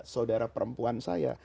saudara perempuan saya